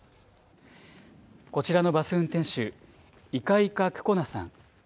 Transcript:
こちらのバス運転手、イカイカ・クコナさん。